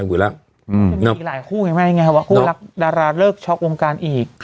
มีอีกหลายคู่ไหมดาราเลิกช็อกวงการอีก